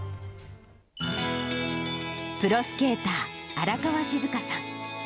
プロスケーター、荒川静香さん。